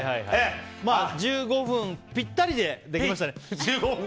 １５分ピッタリでできましたね。